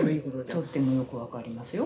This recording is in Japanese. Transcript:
とってもよく分かりますよ